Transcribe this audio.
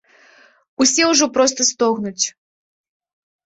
Усе ўжо проста стогнуць.